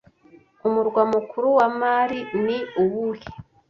Umurwa mukuru wa mali ni uwuhe